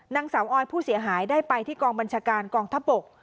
นางสาวออยผู้เสียหายได้ไปที่กองบัญชาการกองทัพบก